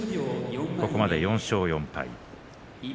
ここまで４勝４敗。